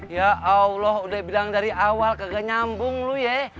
ya allah udah bilang dari awal kagak nyambung lu ya